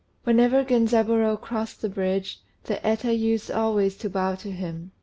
Whenever Genzaburô crossed the bridge, the Eta used always to bow to him.